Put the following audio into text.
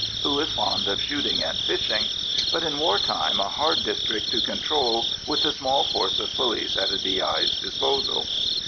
who is fond of shooting and fishing, but in war time a hard district to control with the small force of police at a D.I.'s disposal.